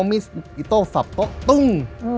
มิสอิโต้สับโต๊ะตุ้ง